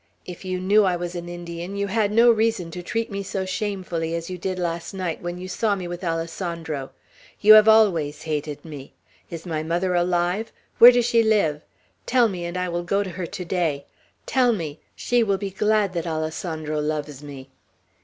If you knew I was an Indian, you had no reason to treat me so shamefully as you did last night, when you saw me with Alessandro. You have always hated me. Is my mother alive'? Where does she live? Tell me; and I will go to her to day. Tell me! She will be glad that Alessandro loves me!"